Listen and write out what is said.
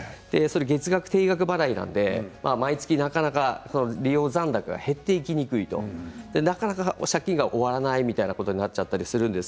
月額、定額払いなので、毎月なかなか利用残高が減っていきにくいなかなか借金が終わらないということになったりしませんか。